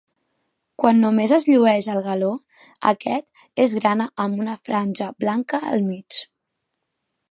Quan només es llueix el galó, aquest és grana amb una franja blanca al mig.